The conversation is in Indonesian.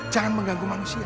jangan mengganggu manusia